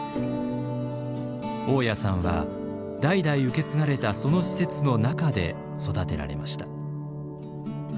雄谷さんは代々受け継がれたその施設の中で育てられました。